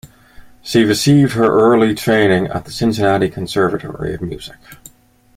She received her early training at the Cincinnati Conservatory of Music.